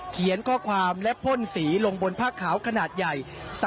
เขียนข้อความและพ่นสีลงบนผ้าขาวขนาดใหญ่